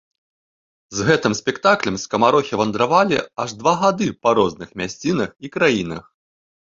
З гэтым спектаклем скамарохі вандравалі аж два гады па розных мясцінах і краінах.